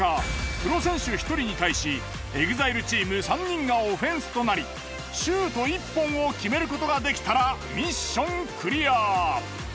プロ選手１人に対しＥＸＩＬＥチーム３人がオフェンスとなりシュート１本を決めることができたらミッションクリア。